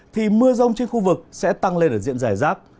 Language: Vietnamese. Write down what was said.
thì mưa rông trên khu vực sẽ tăng lên ở diện giải rác